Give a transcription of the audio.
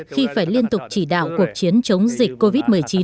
khi phải liên tục chỉ đạo cuộc chiến chống dịch covid một mươi chín